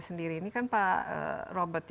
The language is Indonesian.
sendiri ini kan pak robert